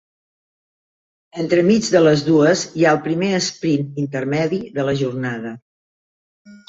Entremig de les dues hi ha el primer esprint intermedi de la jornada.